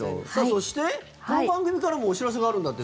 そして、この番組からもお知らせがあるんだって？